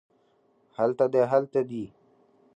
هلته دی هلته دي